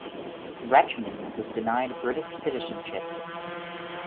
Rachman was denied British citizenship.